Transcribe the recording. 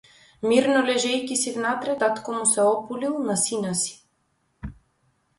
Мирно лежејќи си внатре, таткото му се опулил на сина си.